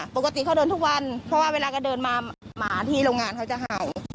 ปกติเขาเดินทุกวันเพราะว่าเวลาก็เดินมาหมาที่โรงงานเขาจะเห่า